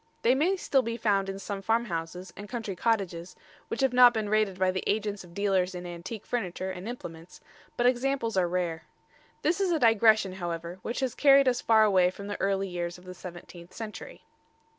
They may still be found in some farmhouses and country cottages, which have not been raided by the agents of dealers in antique furniture and implements, but examples are rare. This is a digression, however, which has carried us far away from the early years of the seventeenth century.